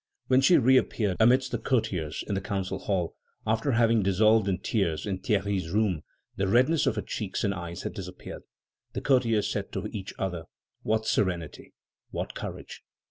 When she reappeared amidst the courtiers in the Council Hall, after having dissolved in tears in Thierry's room, the redness of her cheeks and eyes had disappeared. The courtiers said to each other: "What serenity! what courage!"